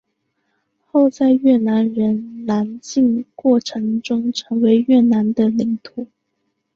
后在越南人南进过程中成为越南的领土。